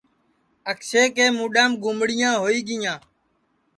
اکشے کے مُڈؔام گُمڑیاں ہوئی گیاں